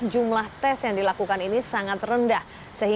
jumlah tes yang dilakukan ini sangat rendah